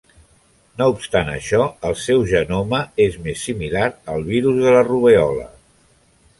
No obstant això, el seu genoma és més similar al virus de la rubèola.